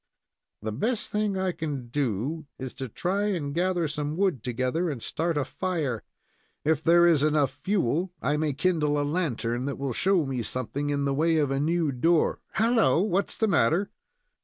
"The best thing I can do is to try and gather some wood together, and start a fire. If there is enough fuel, I may kindle a lantern that will show me something in the way of a new door Halloa! what is the matter?"